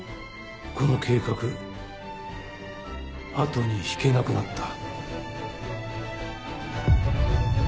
この計画後に引けなくなった。